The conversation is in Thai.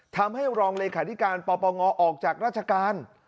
ทำให้รองเลขาธิการปปงออกจากราชการ